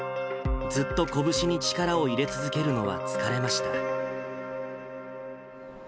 ずっと拳に力を入れ続けるのは疲れました。